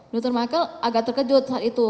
dokter michael agak terkejut saat itu